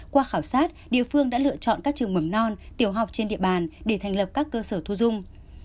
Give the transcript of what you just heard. qua khảo sát địa phương đã lựa chọn các trường mầm non tiểu học trên địa bàn để thành lập các cơ sở thu dung